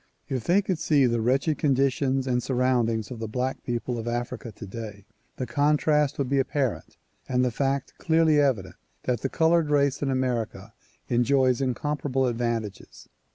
If they could see the wretched conditions and surroundings of the black people of Africa today, the contrast would be apparent and the fact clearly evident that the colored race in America enjoys incomparable advantages.